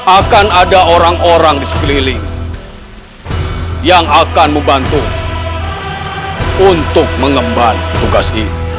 akan ada orang orang di sekeliling yang akan membantu untuk mengemban tugas ini